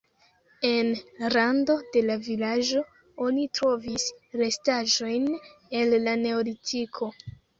En rando de la vilaĝo oni trovis restaĵojn el la neolitiko.